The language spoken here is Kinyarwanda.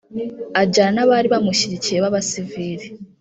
ajyana n’abari bamushyigikiye b’abasivili